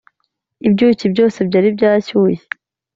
ibyuki byose byari byashyushye